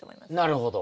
なるほど。